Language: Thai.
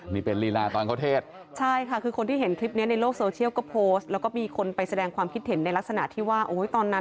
มันได้ปัจจัยง้ายขนาดไหน